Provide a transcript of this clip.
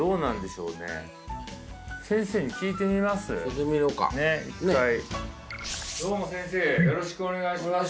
聞いてみようかどうも先生よろしくお願いします